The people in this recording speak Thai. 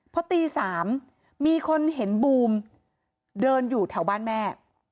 พอตี๓มีคนเห็นบูมเดินอยู่แถวบ้านแม่